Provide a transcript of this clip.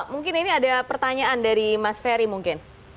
mungkin ini ada pertanyaan dari mas ferry mungkin